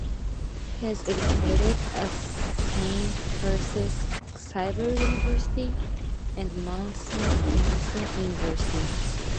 He was educated at Saint Francis Xavier University and Mount Saint Vincent University.